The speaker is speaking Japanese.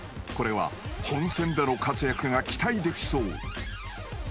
［これは本戦での活躍が期待できそう］